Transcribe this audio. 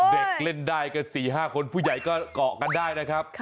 เด็กเล่นได้กัน๔๕คนผู้ใหญ่ก็เกาะกันได้นะครับ